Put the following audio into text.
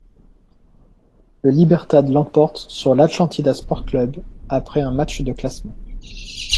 Le Libertad l’emporte sur l’Atlántida Sport Club après un match de classement.